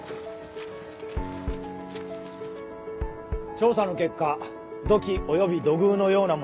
調査の結果土器および土偶のようなもの